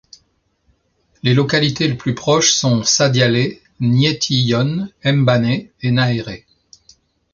Les localités les plus proches sont Sadiale, Nieti Yone, Mbane et Naere.